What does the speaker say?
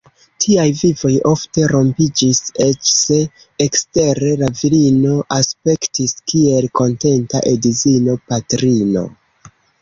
Tiaj vivoj ofte rompiĝis, eĉ se ekstere la virino aspektis kiel kontenta edzino, patrino.